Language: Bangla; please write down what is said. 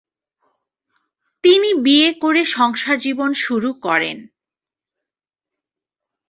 তিনি বিয়ে করে সংসার জীবন শুরু করেন।